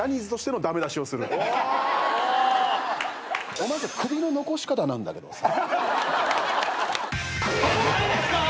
お前さ首の残し方なんだけどさ。